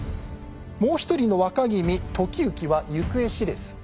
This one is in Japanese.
もう一人の若君時行は行方知れず。